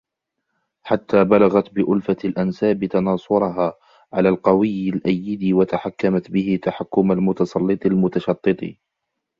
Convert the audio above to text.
حَتَّى بَلَغَتْ بِأُلْفَةِ الْأَنْسَابِ تَنَاصُرَهَا عَلَى الْقَوِيِّ الْأَيِّدِ وَتَحَكَّمَتْ بِهِ تَحَكُّمَ الْمُتَسَلِّطِ الْمُتَشَطِّطِ